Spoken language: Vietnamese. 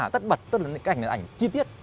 tất bật tất cả những cái ảnh này là ảnh chi tiết